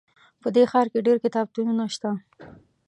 په دې ښار کې ډېر کتابتونونه شته